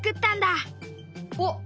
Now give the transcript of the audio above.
おっ！